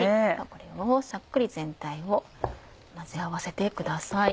これをサックリ全体を混ぜ合わせてください。